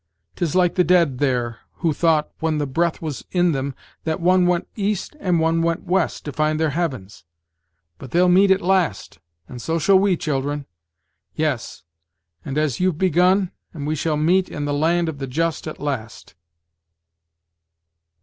'Tis like the dead there, who thought, when the breath was in them, that one went east, and one went west, to find their heavens; but they'll meet at last, and so shall we, children. Yes, and as you've begun, and we shall meet in the land of the just at last."